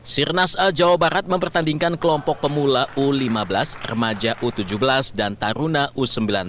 sirnas a jawa barat mempertandingkan kelompok pemula u lima belas remaja u tujuh belas dan taruna u sembilan belas